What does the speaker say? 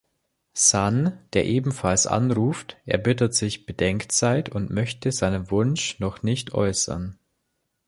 Sun, der ebenfalls anruft, erbittet sich Bedenkzeit und möchte seinen Wunsch noch nicht äußern.